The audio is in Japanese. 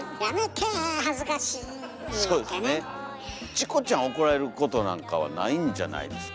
チコちゃん怒られることなんかはないんじゃないですか？